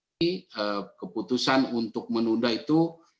jadi keputusan untuk menunda itu